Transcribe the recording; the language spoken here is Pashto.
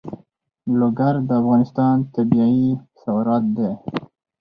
لوگر د افغانستان طبعي ثروت دی.